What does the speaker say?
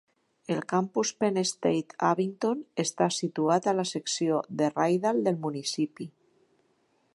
El campus Penn State Abington està situat a la secció de Rydal del municipi.